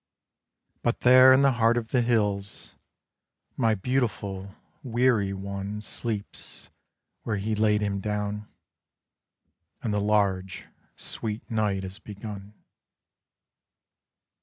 But there in the heart of the hills My beautiful weary one Sleeps where he laid him down; And the large sweet night is begun.